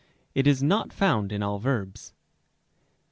It is not found in all verbs.